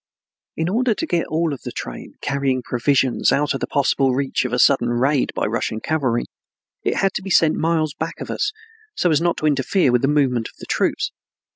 In order to get all of the train carrying provisions out of the possible reach of a sudden raid by the Russian cavalry, it had to be sent miles back of us, so as not to interfere with the movement of the troops.